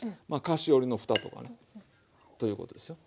菓子折のふたとかねということですよ。